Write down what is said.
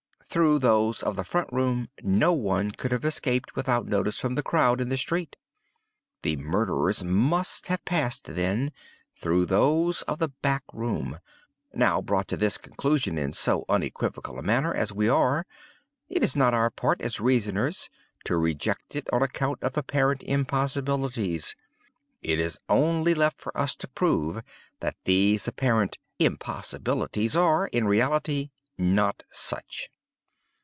Through those of the front room no one could have escaped without notice from the crowd in the street. The murderers must have passed, then, through those of the back room. Now, brought to this conclusion in so unequivocal a manner as we are, it is not our part, as reasoners, to reject it on account of apparent impossibilities. It is only left for us to prove that these apparent 'impossibilities' are, in reality, not such.